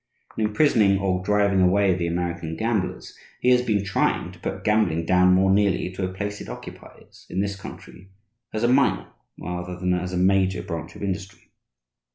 In imprisoning or driving away the American gamblers, he has been trying to put gambling down more nearly to the place it occupies, in this country, as a minor rather than as a major branch of industry.